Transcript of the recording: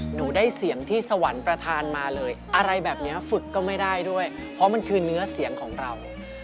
หนูได้เสียงที่สวรรค์ประธานมาเลยอะไรแบบนี้ฝึกก็ไม่ได้ด้วยเพราะมันคือเนื้อเสียงของเรา